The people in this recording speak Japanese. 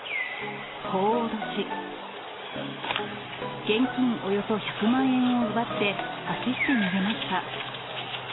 こう脅し、現金およそ１００万円を奪って、走って逃げました。